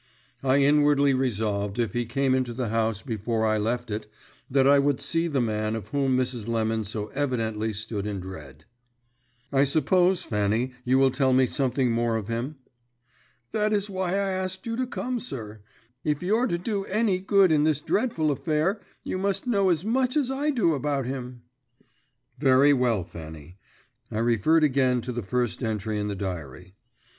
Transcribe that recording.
I inwardly resolved if he came into the house before I left it, that I would see the man of whom Mrs. Lemon so evidently stood in dread. "I suppose, Fanny, you will tell me something more of him." "That is why I asked you to come, sir. If you're to do any good in this dreadful affair, you must know as much as I do about him." "Very well, Fanny." I referred again to the first entry in the diary.